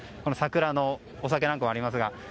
桜のお酒なんかもありますが。